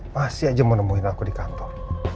masih aja mau nemuin aku di kantor